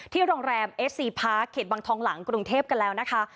โรงแรมเอสซีพาร์คเขตบังทองหลังกรุงเทพกันแล้วนะคะ